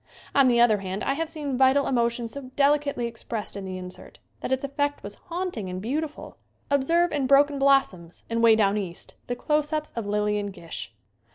On the other hand I have seen vital emotion so delicately expressed in the insert that its effect was haunting and beautiful. Observe in "Broken Blossoms" and "Way Down East" the close ups of Lillian Gish.